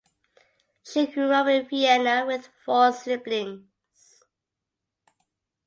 She grew up in Vienna with four siblings.